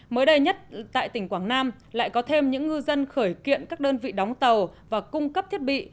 mới đây nhất tại tỉnh quảng nam lại có thêm những ngư dân khởi kiện các đơn vị đóng tàu và cung cấp thiết bị